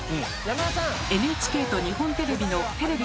ＮＨＫと日本テレビのテレビ